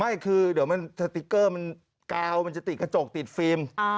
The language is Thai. ไม่คือเดี๋ยวมันสติ๊กเกอร์มันกาวมันจะติดกระจกติดฟิล์ม